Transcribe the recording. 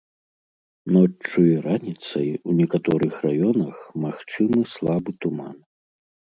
Ноччу і раніцай у некаторых раёнах магчымы слабы туман.